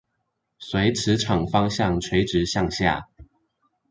隨磁場方向垂直向下